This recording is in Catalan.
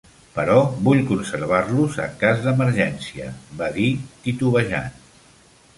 "Però vull conservar-los en cas d'emergència", va dir, titubejant.